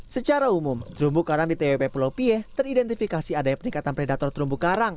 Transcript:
secara umum terumbu karang di twp pulau pie teridentifikasi adanya peningkatan predator terumbu karang